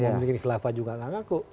mereka bikin kilafah juga nggak ngaku